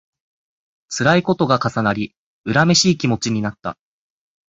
つらいことが重なり、恨めしい気持ちになった